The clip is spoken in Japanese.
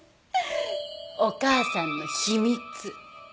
お義母さんの秘密。